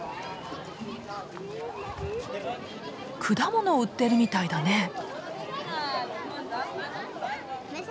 果物を売ってるみたいだね。